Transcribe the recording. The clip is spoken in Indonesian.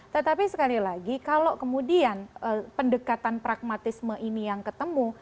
tetapi sekali lagi kalau kemudian pendekatan pragmatisme ini yang ketemu